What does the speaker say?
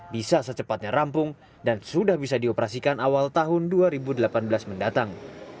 bisa secepatnya rampung dan sudah bisa dioperasikan awal tahun dua ribu delapan belas mendatang